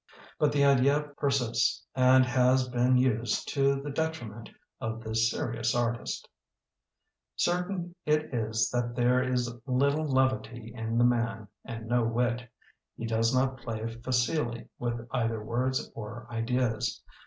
But the idea persists and has been used to the detriment of this seri ous artist. Certain it is that there is little levity in the man and no wit. He does not play facilely with either words or ideas.